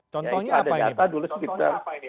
contohnya apa ini pak